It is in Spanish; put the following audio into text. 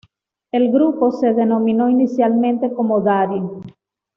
El grupo se denominó inicialmente como Daddy.